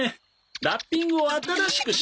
ラッピングを新しくしますか。